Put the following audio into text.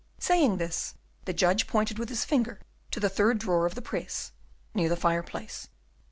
Saying this, the judge pointed with his finger to the third drawer of the press, near the fireplace.